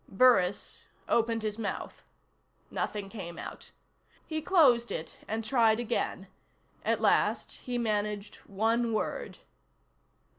Burris opened his mouth. Nothing came out. He closed it and tried again. At last he managed one word.